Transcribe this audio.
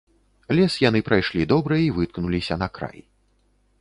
Лес яны прайшлі добра і выткнуліся на край.